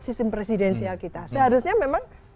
sistem presidensial kita seharusnya memang